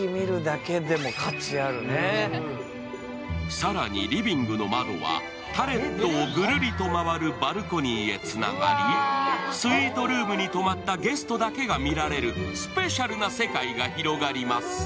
更にリビングの窓はタレットをぐるりと回るバルコニーへつながりスイートルームに泊まったゲストだけが見られるスペシャルな景色が広がります。